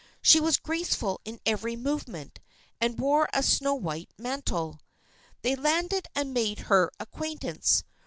She was graceful in every movement, and wore a snow white mantle. They landed and made her acquaintance.